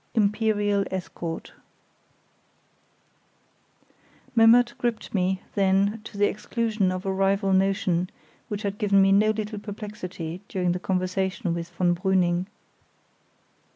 Imperial Escort Memmert gripped me, then, to the exclusion of a rival notion which had given me no little perplexity during the conversation with von Brüning.